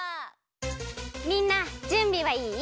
みんなじゅんびはいい？